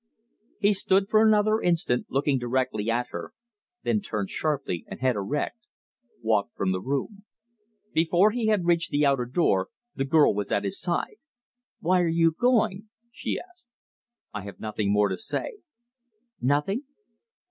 He stood for another instant, looking directly at her, then turned sharply, and head erect walked from the room. Before he had reached the outer door the girl was at his side. "Why are you going?" she asked. "I have nothing more to say." "NOTHING?"